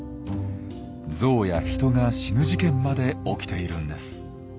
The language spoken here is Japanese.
ゾウや人が死ぬ事件まで起きているんです。